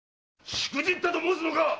しくじったと申すのか‼